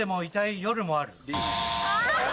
あ！